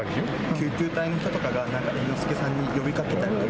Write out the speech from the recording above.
救急隊の人たちがなんか猿之助さんに呼びかけたりとか。